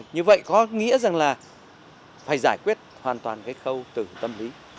như vậy có nghĩa rằng là phải giải quyết hoàn toàn cái khâu từ tâm lý